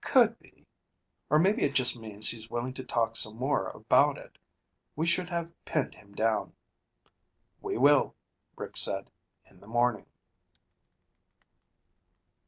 "Could be. Or maybe it just means he's willing to talk some more about it. We should have pinned him down." "We will," Rick said. "In the morning."